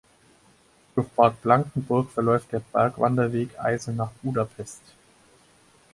Durch Bad Blankenburg verläuft der Bergwanderweg Eisenach–Budapest.